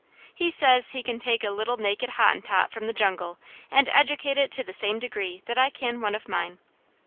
He says he can take a little naked Hottentot from the jungle, and educate it to the same degree that I can one of mine.